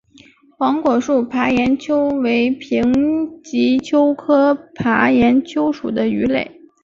黄果树爬岩鳅为平鳍鳅科爬岩鳅属的鱼类。